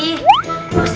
eh pak sergiti